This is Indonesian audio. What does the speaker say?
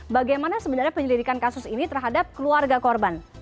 bagaimana sebenarnya penyelidikan kasus ini terhadap keluarga korban